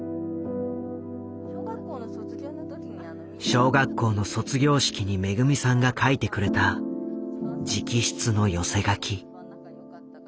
小学校の卒業式にめぐみさんが書いてくれた直筆の寄せ書き。